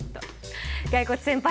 骸骨先輩